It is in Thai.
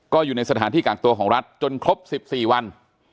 ก็อยู่ในสถานที่กักตัวของรัฐจนครบ๑๔วัน